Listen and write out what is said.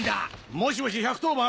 もしもし１１０番？